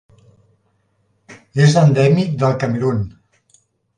És endèmic del Camerun.